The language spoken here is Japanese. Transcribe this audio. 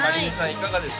いかがです？